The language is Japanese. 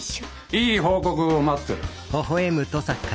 いい報告を待ってる。